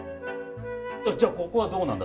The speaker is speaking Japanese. じゃあここはどうなんだ？